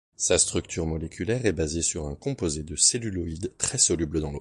Sa structure moléculaire est basée sur un composé de celluloïd très soluble dans l'eau.